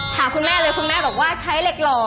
คุณแม่เลยคุณแม่บอกว่าใช้เหล็กหล่อ